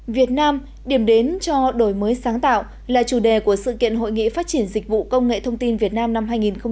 việt nam điểm đến cho đổi mới sáng tạo là chủ đề của sự kiện hội nghị phát triển dịch vụ công nghệ thông tin việt nam năm hai nghìn một mươi chín